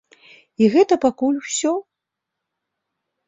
І гэта пакуль усё.